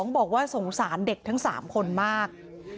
บอกว่าสงสารเด็กทั้ง๓คนมาก